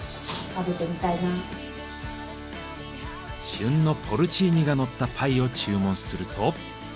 旬のポルチーニがのったパイを注文すると。